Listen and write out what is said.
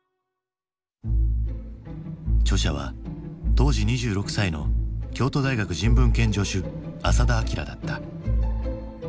著者は当時２６歳の京都大学人文研助手浅田彰だった。